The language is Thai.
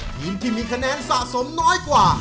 ทีมที่มีคะแนนสะสมน้อยกว่า